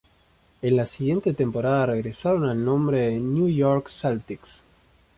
En la siguiente temporada regresaron al nombre de New York Celtics.